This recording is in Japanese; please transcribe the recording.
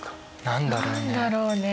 何だろうね。